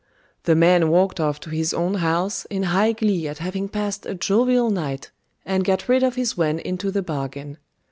The man walked off to his own house in high glee at having passed a jovial night, and got rid of his wen into the bargain.